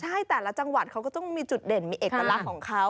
ใช่แต่ละจังหวัดเขาก็ต้องมีจุดเด่นมีเอกลักษณ์ของเขา